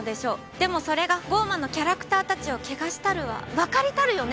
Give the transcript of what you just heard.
でもそれが『降魔』のキャラクターたちを汚したるはわかりたるよね？